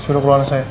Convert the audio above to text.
suruh keluarin saya